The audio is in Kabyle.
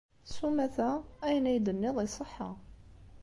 S umata, ayen ay d-tenniḍ iṣeḥḥa.